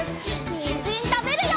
にんじんたべるよ！